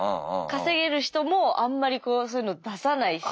稼げる人もあんまりそういうの出さないし。